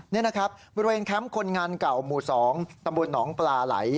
นี่นะครับบริเวณแคมป์คนงานเก่าหมู่๒ตำบลหนองปลาไหล